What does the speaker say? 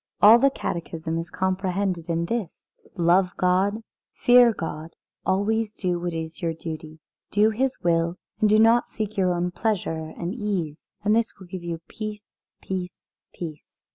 All the Catechism is comprehended in this: Love God, fear God, always do what is your duty. Do His will, and do not seek only your own pleasure and ease. And this will give you peace peace peace."